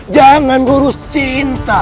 jangan ngurus cinta